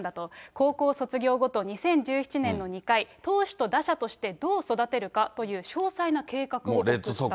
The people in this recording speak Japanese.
高校卒業後と２０１７年の２回、投手と打者として、どう育てるかという詳細な計画を送ったと。